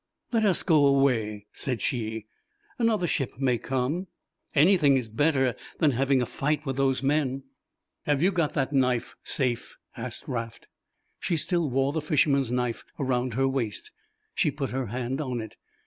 "Let us go away," said she, "another ship may come; anything is better than having a fight with those men." "Have you got that knife safe?" asked Raft. She still wore the fisherman's knife round her waist. She put her hand on it.